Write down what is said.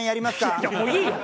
いやいやもういいよ！